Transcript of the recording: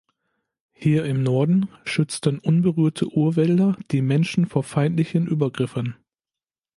Hier im Norden schützten unberührte Urwälder die Menschen vor feindlichen Übergriffen.